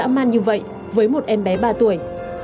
tàn ác dã man như vậy với một em bé ba tuổi